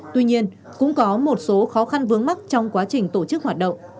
tuy nhiên cũng có một số khó khăn vướng mắt trong quá trình tổ chức hoạt động